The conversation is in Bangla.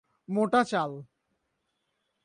মোটা চাল।